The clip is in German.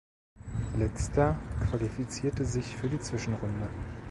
Letzter qualifizierte sich für die Zwischenrunde.